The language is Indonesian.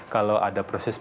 kalau ada proses panggilan